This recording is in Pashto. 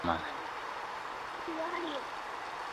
زه پسونه غواوي نه سمه زغملای ..